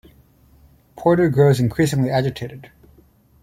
Porter grows increasingly agitated.